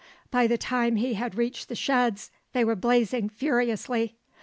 By the time he had reached the sheds, they were blazing furiously.